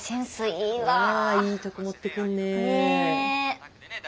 いいとこ持ってくんね。ね。